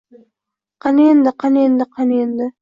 Qani endi, qani endi, qani endi